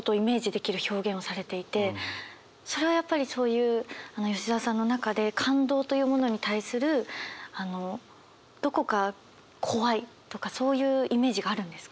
それはやっぱりそういう吉澤さんの中で感動というものに対するどこか怖いとかそういうイメージがあるんですか？